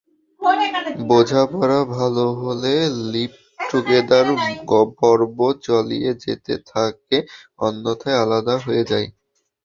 বোঝাপড়া ভালো হলে লিভ-টুগেদার পর্ব চালিয়ে যেতে থাকে, অন্যথায় আলাদা হয়ে যায়।